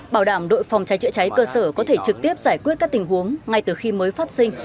bảo đảm đội phòng cháy chữa cháy cơ sở có thể trực tiếp giải quyết các tình huống ngay từ khi mới phát sinh